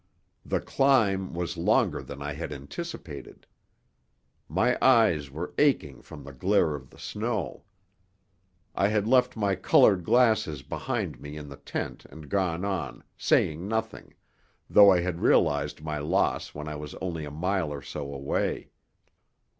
The climb was longer than I had anticipated. My eyes were aching from the glare of the snow. I had left my coloured glasses behind me in the tent and gone on, saying nothing, though I had realized my loss when I was only a mile or so away.